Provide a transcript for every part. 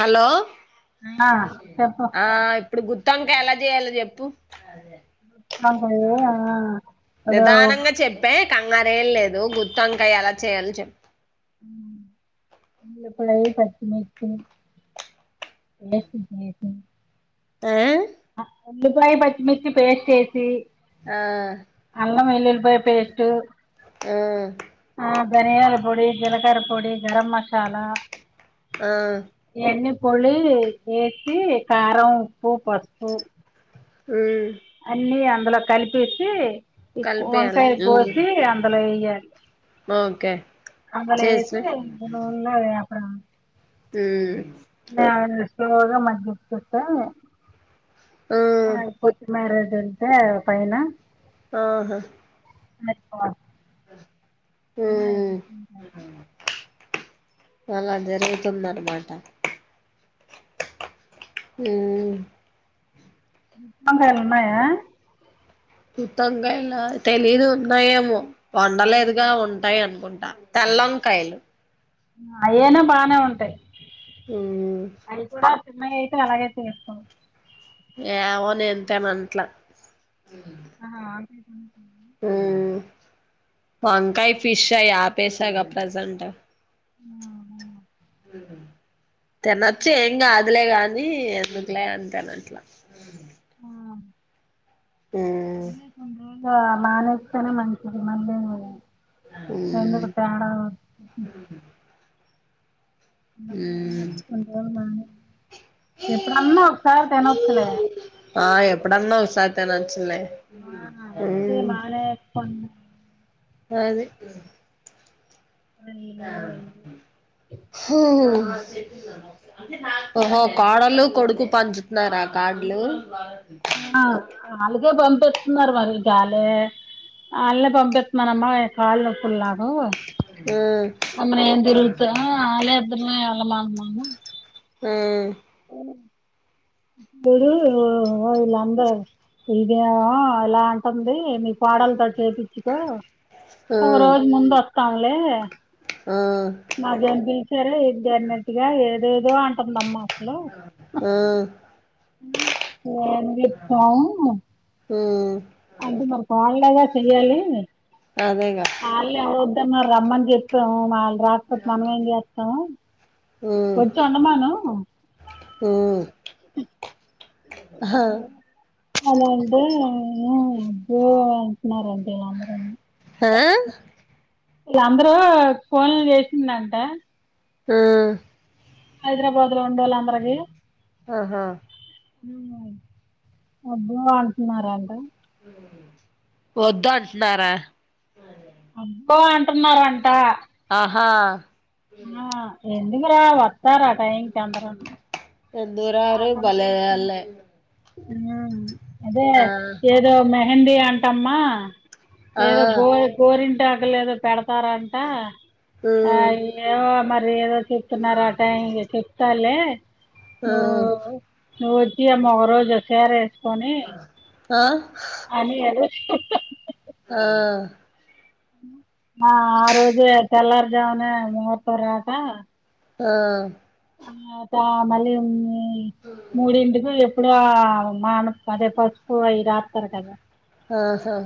Hello ఆ చెప్పు ఆ ఇప్పుడు గుత్తోంకాయ ఎలా చేయాలో చెప్పు ఆ ఒక నిదానంగా చెప్పే కంగారు ఏం లేదు గుత్తోంకాయ ఎలా చేయాలని చెప్పు ఉల్లిపాయ పచ్చి మిర్చీ ఏ ఆ ఉల్లిపాయ పచ్చిమిర్చి పేస్ట్ చేేసి అల్లం వెల్లుల్లి పాయ పేస్ట్ ఊమ్ ఆ ధనియాల పొడి జీలకర పొడి గరం మసాలా ఆ ఇవన్నీ పొడి ఏసీ కారం ఉప్పు పసుపు ఊమ్ అన్నీ అందులో కలిపేసి ఈ కలిపేయాలి వంకాయ ఉమ్ కోసి అందులో ఎయ్యాలి ఓకే అందులో చేసా వేసి నూనె లో వేయల్న ఉమ్ [unintelligible] స్లో గా మగ్గించుకుంటా ఆ కొత్తిమీర [unintelligible] పైన ఆహా వేసుకోవాలి ఉమ్ [unintelligible] అలా జరుగుతుంద అన్నమాట ఊమ్ వంకాయలు ఉన్నాయా గుత్తోంకాయ లా తెలిదు ఉన్నాయేమో వండలేదుగా ఉంటాయి అనుకుంట తెల్ల వంకాయలు అయేనా బానే ఉంటాయి ఉమ్ అవి కూడా మ అయితే అలాగే చేస్తాం ఏవో నంతేమట్ల అహా హు వంకాయ ఫిష్ యాపేసగా ప్రజెంట్ అహా హుహు తినచ్చు ఎమ్ కాదులే కానీ అని ఎందుకులే అంటాన అట్లా మ్మ్ మానేస్తేనే మంచిది మల్లా ఏమైనా మ్మ్ ఎందుకు తేడా కో అప్పుడు కొన్ని మ్మ్ అప్పుడు కొన్ని ఎప్పుడన్నా ఒకసారి తినచ్చులే తినచ్చులా అహా అది మానేస్తను అది రైలు అయి అహా ఓహో కోడలు కొడుకు పంచుతున్నారా కాడ్లు ఆ అలాగే పంపిస్తున్నారు మరి గాలే అలే పంపింస్తునారు కాళ్ళు నొప్పులు నాకు మ్మ్ అమ్మ నేను తిరుగుతా వాలే అంతా ఎళ్ళమా మము ఆ చుడు వీళ్ళు అందరు ఇదే ఎలా అంటుంది ఏ మీ కోడల్ తో చేపించ్చుకో ఒక మ్మ్ రోజు ముందు వస్తానులే మ్మ్ నా జర్నీ సరే ఇది జరిగినట్టు గా ఏదోదో అంటుందమ్మా ఆ ఏందీ ఇప్ప ఆ అంటే మరి వాళ్ళదే చెయ్యాలి అదేగా వాళ్లే వద్దు అన్నారు రమ్మని చెప్పాం మా రాకపోతే మనం ఏం చేస్తాము వచ్చి వండమను ఆ ఉ అహా అలా అంటే అబ్బో అంట్టున్నారంటే ఆ ఇలా అందరూ ఫోన్ చేసిందంట ఆ హైదరాబాద్ లో ఉండలా అందరికి ఆహా అబ్బా అంటున్నారా అంట వద్దు అంటున్నారా అబ్బో అంట్టున్నారు అంట ఆ ఆ ఎందుగుర వస్తారా టైం కు అందరు దూరారె పలేదాలే అదే ఏదో మెహందీ కమ్మా ఆ ఏదో గో గోరింటాకులు ఏదో తారంట ఆ ఉమ్ ఏదో మరి ఏదో చెప్తున్నారు ఆట ఇ చెప్ చాలే ఆ నువ్వు నువ్వు వచ్చి ఏమో ఒక రోజు చీర వేసుకొని ఆ అని అది ఆ మా ఆ రోజే తెల్లారుజామున ముహూర్తం రాక ఆ ఆ పా మళ్ళీ ము మూడింటికి ఇప్పుడ మాన అదే పసుపు అవి రాతారు కదా ఆహా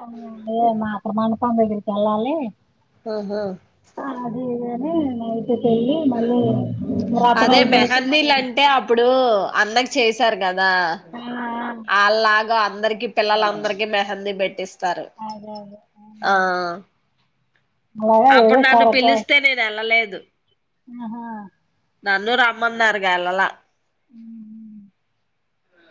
అ అదే మ అక్కడ మండపం దగ్గరికి వెళ్ళాలి ఆహా ఉ నైట్ పెళ్లి మళ్ళీ వ్రతం అదే అయిపోయాక మళ్ళీ మెహందీలు అంటే అప్పుడు అన్నకి చేసారు కాదా ఆ దా అల్ లాగా అందరికి పిల్లలందరికి మెహందీ పెట్టిస్ స్తారు ఆ అదే అదే ఆ అలాగా అప్పుడు ఏదో నన్ను సరదా పిలిస్తే నేను ఎల్లలేదు ఆహా నన్ను రమ్మన్నారు గా ఎలాలే ఉహూ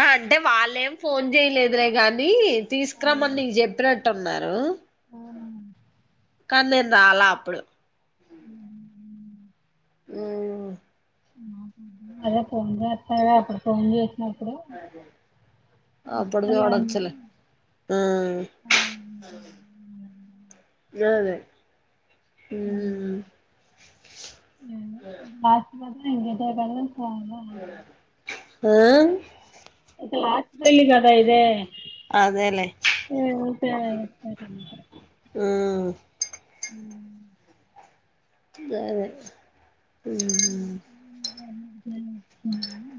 ఆ అంటే వాళ్ళ ఏం ఫోన్ చేయలేదు లే గానీ తీసుకురామని నీకు చెప్పినట్ ట్టున్నారు ఆ కానీ నేను రాలే అప్పుడు ఉ అదే ఫోన్ జేత అప్పుడు ఫోన్ చేసినప్పుడు అప్పుడు సర్లే చూడచ్చు అన్నా లే ఆ, [unintelligible] మ్మ్ మ్ ఏమో లాస్ట్ గాదా [unintelligible] వన్నా [unintelligible] అయితే లాస్ట్ పెళ్లి కాదా ఇది ఆ అదేలే ఏ ఉంటానే సరే ఉంటా ఊ సరే ఉ [unintelligible]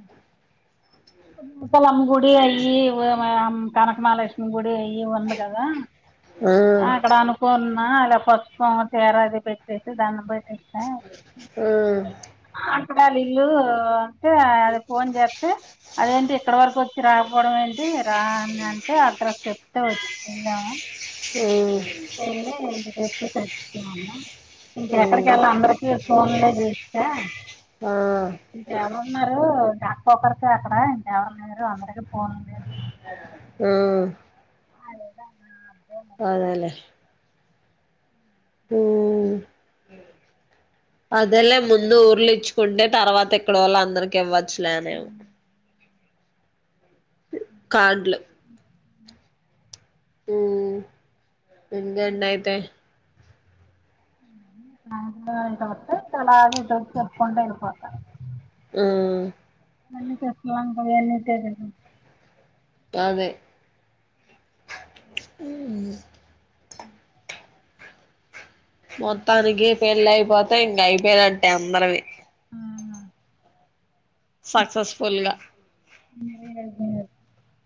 నూకాలమ్మ గుడి అయి కనకమాలక్ష్మమి గుడి ఇయి ఉంది కాదా ఆ అక్కడ అనుకున్నా అలా పసుపు చీర అది పెట్టేసి దడం పెట్టి ఆ అంటే వాళ్ళ ఇల్లు అంటే అది ఫోన్ జేతే అదేంటి ఇక్కడ వరకు వచ్చి రాకపోవడం ఏంటి రా అని అంటే అడ్రస్ చెప్తే వచ్చి వెళ్లము ఊ వెళ్ళ ఇంక చెప్పేసి వచ్చాను ఇంకెక్కడికి మ్మ్ వెెళ్ళా అందరికి ఫోన్లో జేప్తే ఆ ఉన్నారు డాక్క ఒకరితే అక్కడ ఇం ఎవరు లేరు ఫోన్ జేతే ఉ [unintelligible] అదేలేే ఊ అదేలే ముందు ఊర్లు ఇచ్చుకుంటే తర్వాత ఇక్కడ వాళ్ళ అందరికి ఇవ్వ స్లాదేవ్ కాడ్లు ఉమ్ ఉండండయితే చలా చెపుకుంట వెళ్ళిపోతది ఆ అన్నీ తెసుల వంగ ఏన్నితే అదే ఉం [inaudible] మొత్తానికి పెళ్ళ అయిపోతే ఇంక అయిపోయిదంటే అందరవి ఆ, సక్సెస్ఫుల్ గా [unintelligible]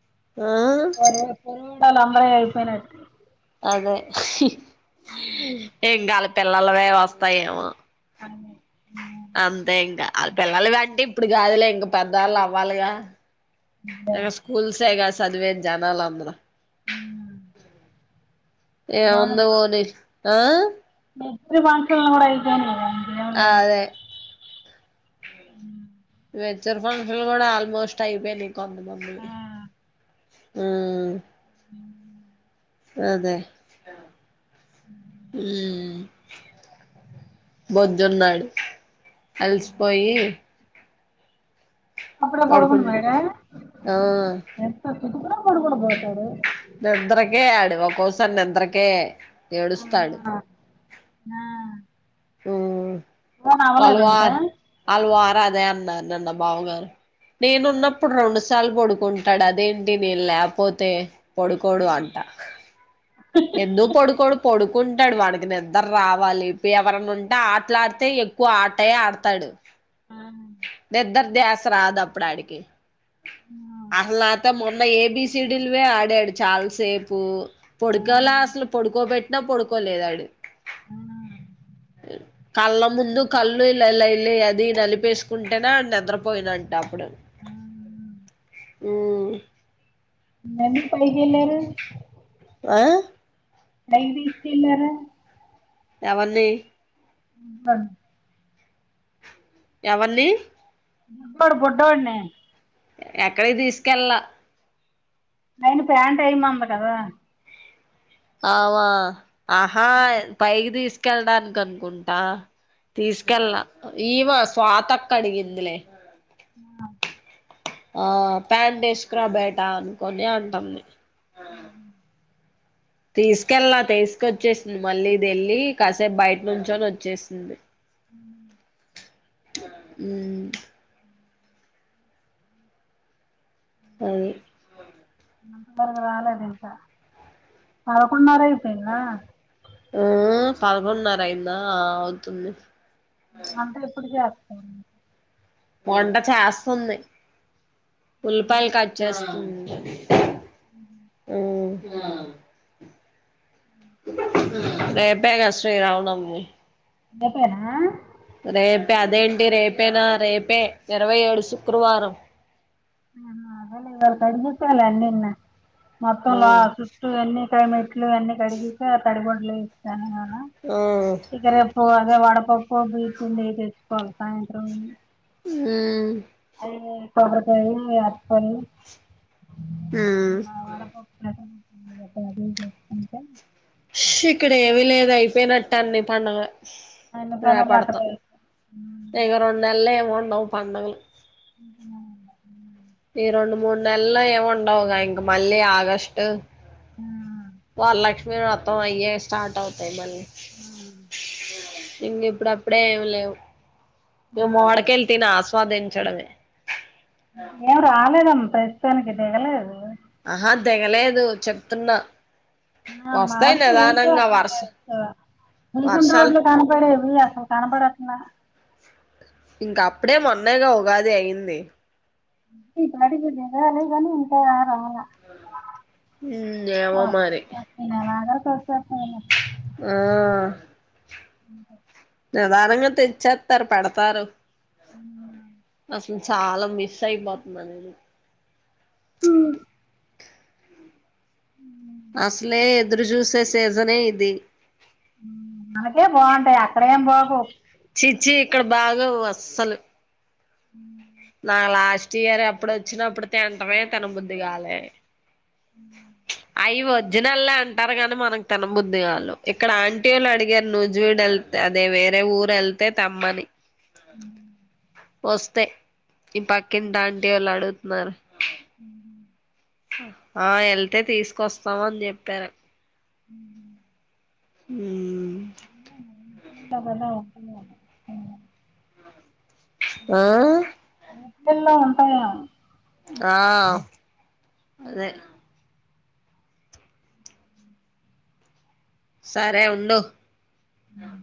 ఆ డులు వాళ్లందరివి అయిపోయినట్ట అదే ఇంకాలి పిల్లలవే వస్తాయేమో అ అంతే ఇంకా వా పిల్లలుంటే ఇప్పుడు కాదులే ఇంకా పెద్దవాళ్ళు అవ్వాలిగా అ స్కూల్ సేగా సాదివేది జనాలా అందరు ఉమ్, ఏముంది పోని ఆ మెచ్యూర్ ఫంక్షన్లు కూడా అయి ఆ అదే మెచ్యూర్ ఫంక్షన్లు కూడా ఆల్మోస్ట్ అయిపోయినాయి ఆ కొంతమందివి ఆ ఆ అదే బజ్జున్నాడు అలిసిపోయి అప్పుడ పడుకుం పడుకును పోయాడ ఆ ఎంత చిటుకున పడు కోను పోతాడు నిద్రకే ఆడు ఒక్కసారి నిద్రకే ఆ ఏడుస్తాడు ఆ ఉమ్ ఫోన్ వాళ్ళ అవ్వలేదా ఇంకా వారు అలువారు అదే అన్నారు నిన్న బావగారు నేనున్నప్పుడు రెండు సార్లు పడుకుంటాడు అదేంటి నేను లేకపోతే పొడుకోడు అంటా ఎందు పొడుకోడు పొడు కుంటాడు వాడికి నిద్దరు రావాలి ఎవరన్న ఉంటే ఆటలాడితే ఎక్కువ ఆటయ ఆడతాడు ఆ ఆ నిద్దర ధ్యాస రాదప్పుడు ఆడికి అసలైతే ము న్న ఏబీసిడీలువే ఆడాడు చాలా సేపు ఆ పొడుకలా అసలు పడుకోబట్టినా పడుకో లేదాడు కళ్ళ ముందు కళ్ళు ఇల్లా ఇలా ఇల్ల అది నలిపేసుకుంటేనే నిద్రపోయినంట అప్పుడు ఆ ఉమ్ ఎందుకు పైకెళ్ళారు ఆ పైకి తీసుకెళ్ళారా ఎవరిని ఆ ఎవరిని బుడ్డోడు బుడనే ఎక్కడకి తీసుకెళ్ళల నయిన ప్యాంట్ వెయ్యమన్నది కదా ఆమ ఆహా పైకి తీసుకెళ్ళడానికి అనుకుంటా తీసుకెళ్ల ల ఈవ స్వాత అక్క అడిగిందిలే ఆ ఆ ప్యాంటే వేసుకురా బేటా అనుకని అంటుంది అ తీసుకెళ్లాల తీసుకొచ్చేసింది మళ్ళీది వెళ్ళలి కాసేపు బయట నుంచని వచ్చేసింది ఉం అ అంత వరకు రాలే ఇంక పదకొండున్నర అయిపోయింద ఆ పదకొండున్నర అయిందా ఆ అవుతుంది అంటే ఎప్పుడు చేస్తాను వంట చేస్తుంది ఉల్లిపాయలు కట్ చేస్తుంది ఊమ్ రేపే గా శ్రీరామ నవమి రేపేనా రేపే అదేంటి రేపేనా రేపే ఇరవై ఏడు శుక్రవారం ఆ అదేలే ఇవాళ కడిగిస్తాలే అన్నీ ఇన్నో మొత్తం లో ఆ చుట్టూ అన్ని క మెట్లు అన్ని కడిగి తడిగుడ్డలు ఏ సేసాన ఆ గ వడపప్పు బెయ్యప్ప్ పిండి తెచ్చుకోవాల సాయంత్రం ఎల్లి ఊమ్ ఆకొబ్బరి కాయ అరటిపండు ఉమ్ వడపప్పు పెసర్లు సందకాడే తెచ్చుకుంటె ష్ ఇక్కడ ఏమి లేదు అయిపోయినట్టన్నీ పండగ అన్ని పండలు అట్టనే ఇగ రెండు నెల్లు ఏం ఉండవు పండగలు [unintelligible] ఈ రెండు మూడు నెలలు ఏముండవుగా ఇంగ మళ్ళీ ఆగస్టు ఆ వర్లక్ష్ మీ వతం అయ్యే స్టార్ట్ అవ్తాయ్ మళ్ళీ ఆ ఇంగ ఇప్పుడప్పుడే ఏమి లేవు ఆ. మే మావ్ డికాయలు తిని ఆస్వాదించడమే ఏం రాలేదమ్మా ప్రస్తుతానికి దిగలేదు ఆహా దిగలేదు చెప్తున్నా ఆ వస్తాయి మార్చి లో ఎన్టీవో నిదానంగా అసలు వర్ష ఇయర్స్ మన కుంటు వర్షాలు రోడ్లు కనపడేవి అసలు కనపడట్ల ఇంక అప్పుడే మొన్నే గా ఉగాది అయింది ఈ పాటికి దిగాలే గానిఉంటాయా ఆరా ఉమ్ ఏమో మరి సర్ సర్ సరేలే ఆ [inaudible] నిదానంగా తెచ్చేత్తారు పెడతారు చాలా మిస్ అయిపోతున్నా నేను అసలే ఎదురు చూసే సీజనే ఇది మనకే బాగుంటాయి అక్కడ ఏం బాగో వ్ చీ ఇక్కడ బాగోవు అస్సలు ఉమ్ ఆ లాస్ట్ ఇయర్ అప్పుడు వచ్చినప్పుడు తింటమే తినబుద్ధి కాలే అయి వో జినల్లే అంటారు గాని మనకు తన బుద్ధి కాళ్ళు ఇక్కడ ఆంటీ వాళ్ళు అడిగారు నుజూవీడు వెళ్తే అదే వేరే ఊరు వెళ్తే తెమ్మని వస్తే ఈ పక్కింటా ఆంటీ వాళ్ళు అడుగుతున్నారు ఉమ్ ఆ ఏళ్తే తీసుకొస్తామ అని చెప్పారు ఊ ఉమ్ [unintelligible] ఆ ఎల్లో ఉంటాయా ఆ అదే వారి ఉండు ఆ